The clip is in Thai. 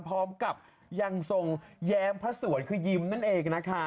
พร้อมกับยังทรงแยมพระสวนคุยยิ้มนั่นเอง